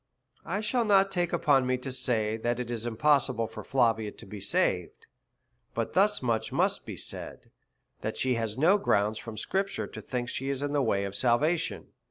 I shall not take upon me to say, that it is impossible for Flavia to be saved ; but this much must be said, that she has no grounds from scripture to think she is in the way of salvation.